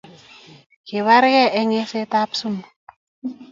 Kibarkei eng eisetab sumu